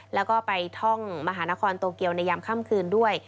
แล้วก็ไปท่องมหานครโตเกียวในยามค่ำคืนด้วย